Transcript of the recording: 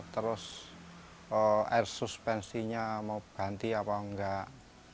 terus air suspensinya mau ganti apa enggak